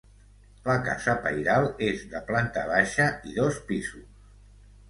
La casa pairal és de planta baixa i dos pisos.